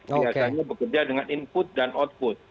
biasanya bekerja dengan input dan output